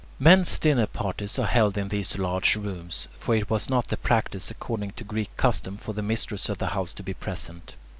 Men's dinner parties are held in these large rooms; for it was not the practice, according to Greek custom, for the mistress of the house to be present.